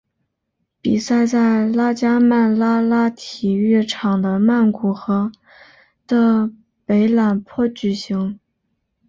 比赛在拉加曼拉拉体育场的曼谷和的北榄坡举行。